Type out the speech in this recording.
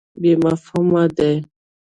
بې مفهومه دی.